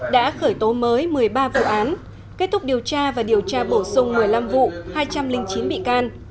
đã khởi tố mới một mươi ba vụ án kết thúc điều tra và điều tra bổ sung một mươi năm vụ hai trăm linh chín bị can